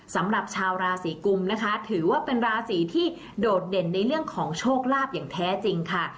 สำหรับชาวราศีกุมนะคะถือว่าเป็นราศีที่โดดเด่นในเรื่องของโชคลาภอย่างแท้จริงค่ะ